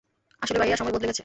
আসলে ভাইয়া, সময় বদলে গেছে।